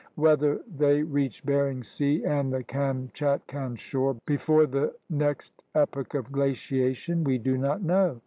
Whether they reached Bering Sea and the Kamchatkan shore before the next epoch of glaciation we do not know.